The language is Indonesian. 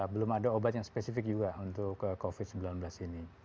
belum ada obat yang spesifik juga untuk covid sembilan belas ini